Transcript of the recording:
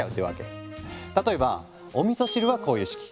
例えばおみそ汁はこういう式。